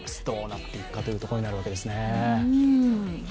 どうなっていくかというところになるわけですね。